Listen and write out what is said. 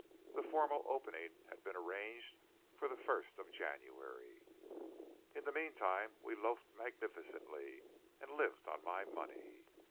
The formal opening had been arranged for the first of January. In the meantime we loafed magnificently, and lived on my money.